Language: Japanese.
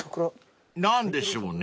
［何でしょうね。